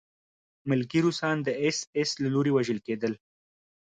ملکي روسان د اېس ایس له لوري وژل کېدل